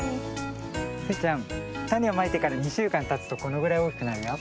スイちゃんたねをまいてから２しゅうかんたつとこのぐらいおおきくなるよ。